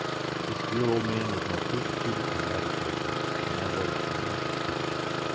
This dear old man was my first tutor in Radicalism, and I was an apt pupil.